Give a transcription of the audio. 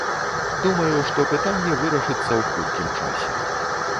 Думаю, што пытанне вырашыцца ў хуткім часе.